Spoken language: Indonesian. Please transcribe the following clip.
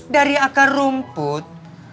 dari akar rumput